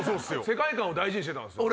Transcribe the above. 世界観を大事にしてたんすよ。